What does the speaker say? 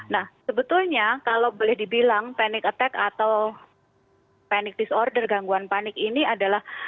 nah sebetulnya kalau boleh dibilang panic attack atau panic disorder gangguan panik ini adalah